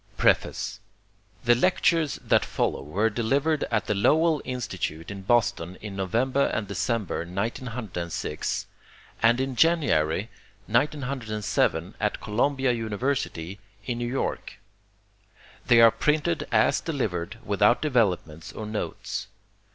Preface The lectures that follow were delivered at the Lowell Institute in Boston in November and December, 1906, and in January, 1907, at Columbia University, in New York. They are printed as delivered, without developments or notes.